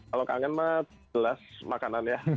kalau kangen mah jelas makanan ya